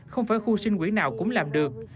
không phải khu sinh quyền nào cũng làm được